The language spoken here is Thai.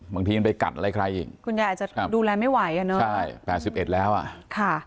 มันสิบอกกันอีก